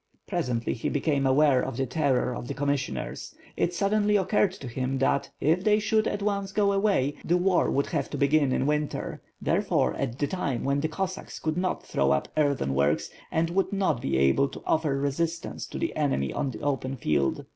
Presently, he became aware of the terror of the commis sioners. It suddenly occurred to him that, if they should at once go away, the war would have to begin in winter; there fore, at a time when the Cossacks could not throw up earth works, and would not be able to offer resistance to the enem} on the open field.